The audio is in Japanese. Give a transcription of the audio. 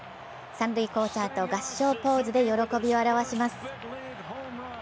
三塁コーチャーと合掌ポーズで喜びを表します。